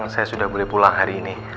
saya sudah boleh pulang hari ini